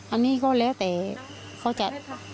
อันนี้ก็แล้วแต่เขาจะ